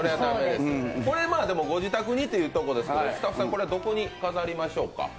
これはご自宅にということですけど、スタッフさん、これはどこに飾りましょうか？